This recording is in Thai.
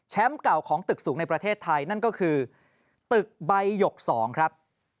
เก่าของตึกสูงในประเทศไทยนั่นก็คือตึกใบหยก๒ครับ